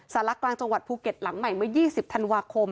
สารกลางจังหวัดภูเก็ตหลังใหม่เมื่อ๒๐ธันวาคม